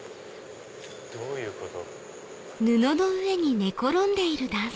どういうこと？